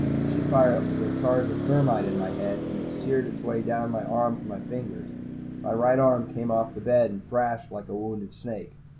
She fired a charge of thermite in my head, and it seared its way down my arm to my fingers. My right arm came off the bed and thrashed like a wounded snake.